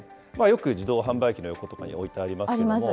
よく自動販売機の横とかに置いてありますけれども。